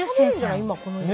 今この時期。